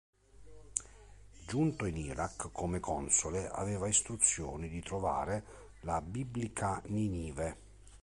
Giunto in Iraq come console, aveva istruzioni di trovare la biblica Ninive.